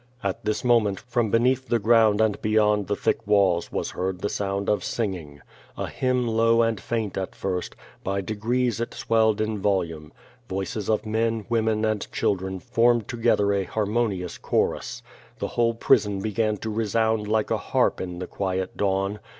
At this moment, from beneath the ground and beyond the thick walls, was heard the sound of singing. A hymn low and faint at first, by degrees it swelled in volume. Voices of men, women and children formed together a harmonious chorus. The whole prison began to resound like a harp in the quiet dawn.